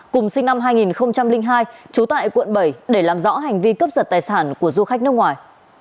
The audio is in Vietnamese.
cùng sinh năm hai nghìn hai trú tại quận bảy để làm rõ hành vi cướp giật tài sản của du khách nước ngoài